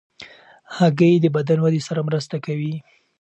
هګۍ د بدن ودې سره مرسته کوي.